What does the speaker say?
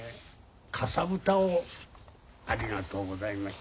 カサブタをありがとうございました。